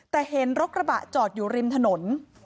แต่เห็นรถกระบะจอดอยู่ริมถนน